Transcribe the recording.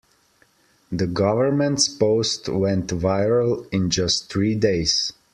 The government's post went viral in just three days.